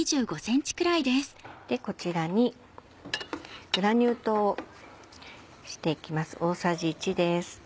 こちらにグラニュー糖をしていきます。